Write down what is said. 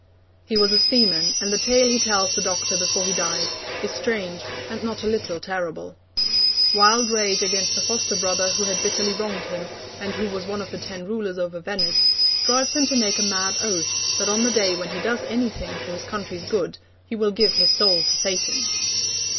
He was a seaman, and the tale he tells the doctor before he dies is strange and not a little terrible. Wild rage against a foster brother who had bitterly wronged him, and who was one of the ten rulers over Venice, drives him to make a mad oath that on the day when he does anything for his country's good he will give his soul to Satan.